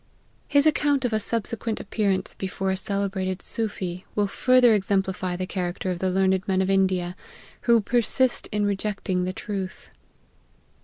His account of a subsequent appearance before a celebrated Soofie, will further exemplify the cha racter of the learned men of India, who persist in rejecting the truth.